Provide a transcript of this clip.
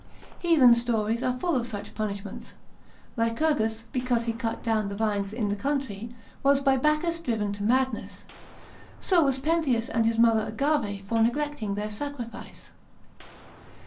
Heathen stories are full of such punishments. Lycurgus, because he cut down the vines in the country, was by Bacchus driven into madness: so was Pentheus and his mother Agave for neglecting their sacrifice.